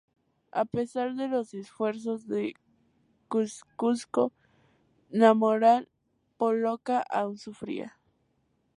A pesar de los esfuerzos de Kościuszko, la moral polaca aún sufría.